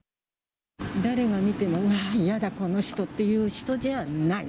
誰が見ても、嫌だこの人っていう人じゃない。